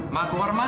mas aku mau rumah